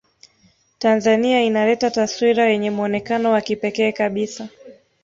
Tanzania inaleta taswira yenye muonekano wa kipekee kabisa